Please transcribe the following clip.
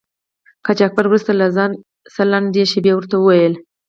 قاچاقبر وروسته له څه لنډې شیبې ورته و ویل.